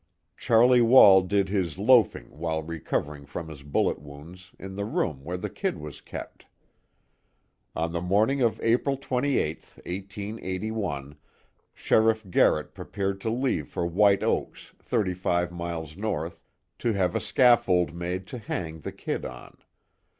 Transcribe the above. Charlie Wall did his loafing while recovering from his bullet wounds, in the room where the "Kid" was kept. On the morning of April 28th, 1881, Sheriff Garrett prepared to leave for White Oaks, thirty five miles north, to have a scaffold made to hang the "Kid" on.